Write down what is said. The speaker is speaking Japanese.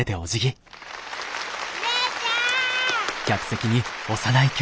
姉ちゃん。